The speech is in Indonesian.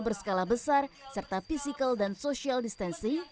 berskala besar serta fisikal dan sosial distansi